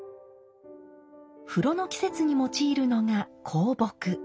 風炉の季節に用いるのが香木。